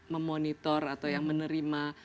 memonitor atau yang menerima